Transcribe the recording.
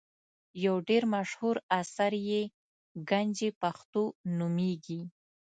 یو ډېر مشهور اثر یې ګنج پښتو نومیږي.